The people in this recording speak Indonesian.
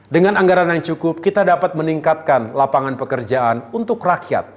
dengan anggaran yang cukup kita dapat meningkatkan lapangan pekerjaan untuk rakyat